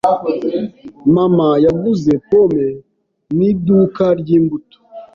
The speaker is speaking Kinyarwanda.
Mama yaguze pome mu iduka ryimbuto.